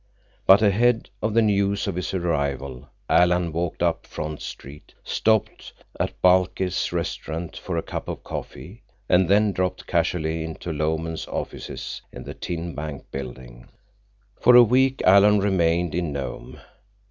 But ahead of the news of his arrival Alan walked up Front Street, stopped at Bahlke's restaurant for a cup of coffee, and then dropped casually into Lomen's offices in the Tin Bank Building. For a week Alan remained in Nome.